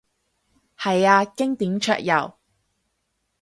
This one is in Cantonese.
係啊，經典桌遊